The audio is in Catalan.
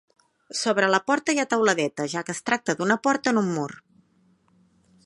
Sobre la porta hi ha teuladeta, ja que es tracta d'una porta en un mur.